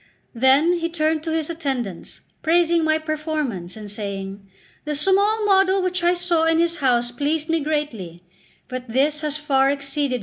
Then he turned to his attendants, praising my performance, and saying: "The small model which I saw in his house pleased me greatly, but this has far exceeded it in merit."